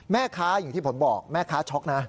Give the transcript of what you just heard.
อย่างที่ผมบอกแม่ค้าช็อกนะ